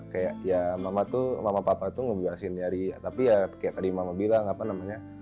kayak ya mama papa tuh ngebiasin ya tapi ya kayak tadi mama bilang apa namanya